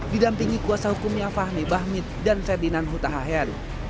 di dampingi kuasa hukumnya fahmi bahmit dan ferdinand hutahayari